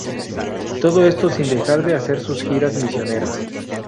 Todo esto sin dejar de hacer sus giras misioneras.